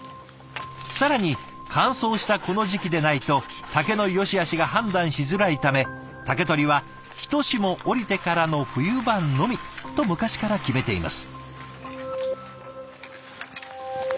更に乾燥したこの時期でないと竹のよしあしが判断しづらいため竹取りはひと霜降りてからの冬場のみと昔から決めています。